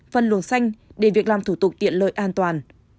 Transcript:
phân luồng xanh để việc làm thủ tục tiện lợi an toàn